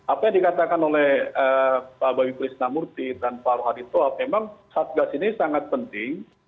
apa yang dikatakan oleh pak bawipulisnamurti dan pak rohadit soab memang satgas ini sangat penting